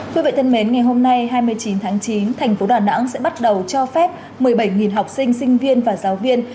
quý vị thân mến ngày hôm nay hai mươi chín tháng chín thành phố đà nẵng sẽ bắt đầu cho phép một mươi bảy học sinh sinh viên và giáo viên